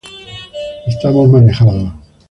Estamos manejados.